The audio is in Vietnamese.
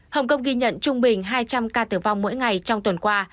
hồng kông ghi nhận trung bình hai trăm linh ca tử vong mỗi ngày trong tuần qua